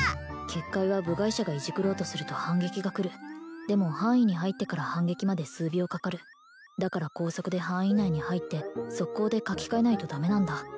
結界は部外者がいじくろうとすると反撃が来るでも範囲に入ってから反撃まで数秒かかるだから高速で範囲内に入って即行で書き換えないとダメなんだ